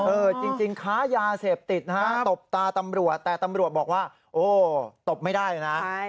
เออจริงค้ายาเสพติดนะฮะตบตาตำรวจแต่ตำรวจบอกว่าโอ้ตบไม่ได้นะ